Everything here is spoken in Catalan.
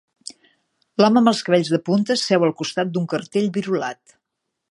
L'home amb els cabells de punta seu al costat d'un cartell virolat